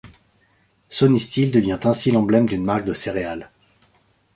Sonny Steele devient ainsi l'emblème d'une marque de céréales.